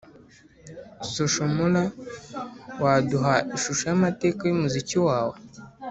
Social Mula, waduha ishusho y’amateka y’umuziki wawe?